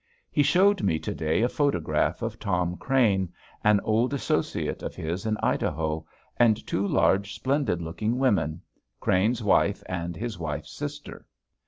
He showed me to day a photograph of Tom Crane, an old associate of his in Idaho, and two large, splendid looking women, Crane's wife and his wife's sister.